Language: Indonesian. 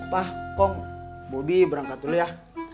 wah kong bobi berangkat dulu ya